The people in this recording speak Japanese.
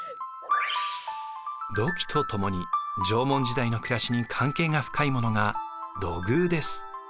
土器と共に縄文時代の暮らしに関係が深いものが土偶です。